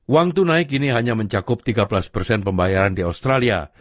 uang tunai kini hanya mencakup tiga belas pembayaran di australia